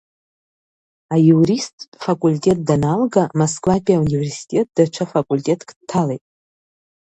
Аиуристтә факультет даналга, Москватәи ауниверситет даҽа факультетк дҭалеит.